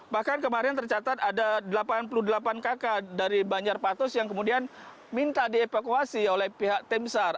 bahkan kemarin tercatat ada delapan puluh delapan kakak dari banjarpatus yang kemudian minta dievakuasi oleh pihak tim sar